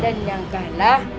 dan yang kalah